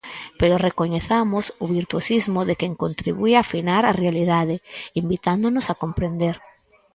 Pero recoñezamos o virtuosismo de quen contribúe a afinar a realidade, invitándonos a comprender.